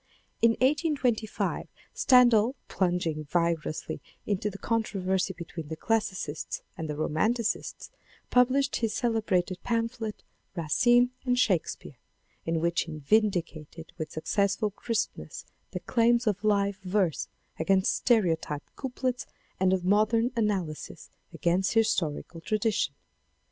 In 1825 Stendhal plunging vigorously into the con troversy between the Classicists and the Romanticists, published his celebrated pamphlet, Racine and Shakes peare, in which he vindicated with successful crispness the claims of live verse against sterotyped couplets and of modern analysis against historical tradition.